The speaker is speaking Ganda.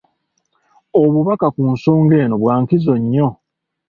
Obubaka ku nsonga eno bwa nkizo nnyo.